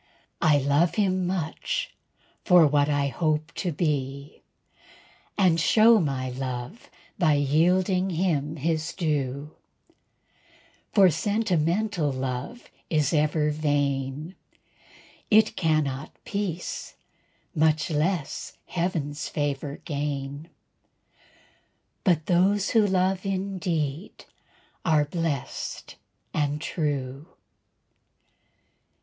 I love him much for what I hope to be, And show my love by yielding him his due; For sentimental love is ever vain, It cannot peace, much less heaven's favor gain; But those who love in deed are blessed and true.